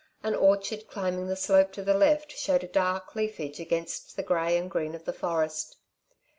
An orchard climbing the slope to the left showed in dark leafage against the grey and green of the forest.